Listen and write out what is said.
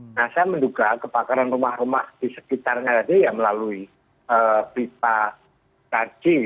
nah saya menduga kebakaran rumah rumah di sekitarnya tadi ya melalui pipa tadi